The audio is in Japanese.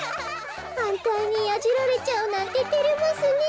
はんたいにヤジられちゃうなんててれますねえ。